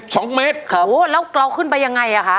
โหแล้วเราขึ้นไปยังไงอ่ะค่ะ